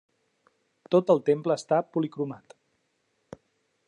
Tot el temple està policromat.